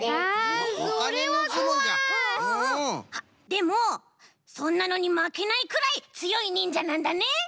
でもそんなのにまけないくらいつよいにんじゃなんだね？